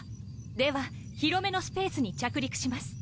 では広めのスペースに着陸します。